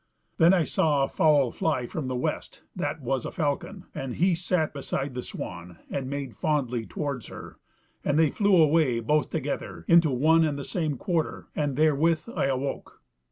"Then I saw a fowl fly from the west; that was a falcon, and he sat beside the swan and made fondly towards her, and they flew away both together into one and the same quarter, and therewith I awoke.